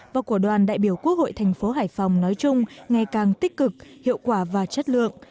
và của đoàn đại biểu quốc hội thành phố hải phòng nói chung ngày càng tích cực hiệu quả và chất lượng